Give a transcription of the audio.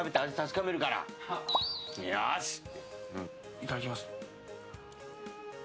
いただきます。